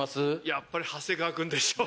やっぱり長谷川君でしょ。